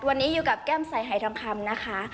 วันนี้อยู่กับแก้มสายหายทองคำนะคะ